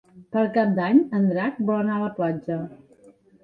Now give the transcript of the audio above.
Per Cap d'Any en Drac vol anar a la platja.